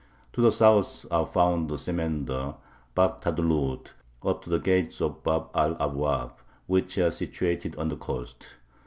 To the south are found Semender, Bak Tadlud, up to the gates of Bab al Abwab, which are situated on the coast.